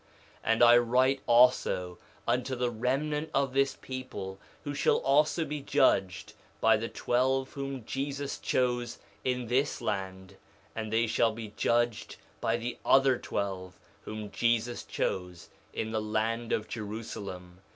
3:19 And I write also unto the remnant of this people, who shall also be judged by the twelve whom Jesus chose in this land; and they shall be judged by the other twelve whom Jesus chose in the land of Jerusalem.